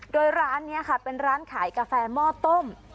โดยร้านนี้ค่ะเป็นร้านขายกาแฟหม้อต้ม